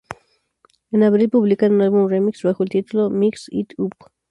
En abril publican un álbum remix bajo el título de "Mix It Up".